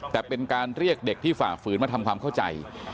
แต่เป็นการเรียกเด็กที่ฝ่าฝืนมาทำความเข้าใจ